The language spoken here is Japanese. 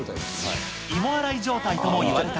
芋洗い状態とも言われた